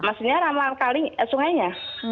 maksudnya rawan kali sungainya